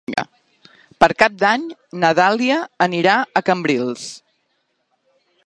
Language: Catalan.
Per Cap d'Any na Dàlia anirà a Cambrils.